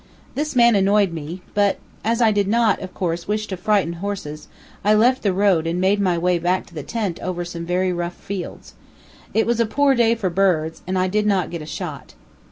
This man annoyed me; but as I did not, of course, wish to frighten horses, I left the road and made my way back to the tent over some very rough fields. It was a poor day for birds, and I did not get a shot.